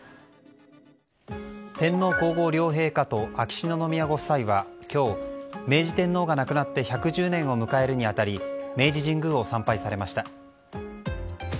天皇・皇后両陛下と秋篠宮ご夫妻は今日、明治天皇が亡くなって１１０年を迎えるにあたり明治神宮を参拝されました。